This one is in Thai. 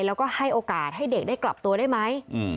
แล้วก็ให้โอกาสให้เด็กได้กลับตัวได้ไหม